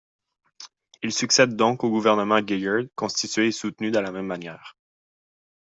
Il succède donc au gouvernement Gillard, constitué et soutenu de la même manière.